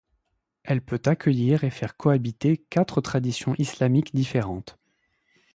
Elle peut accueillir et fait cohabiter quatre traditions islamiques différentes.